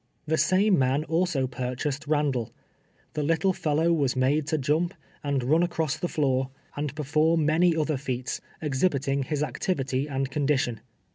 The same man also purchased Bandall. The little fellow was made to jump, and run across the floor, r.\JtTmG OF KAXDALL AND ELIZA. 81 and perform many other feats, exliiliiting liis activity and condition.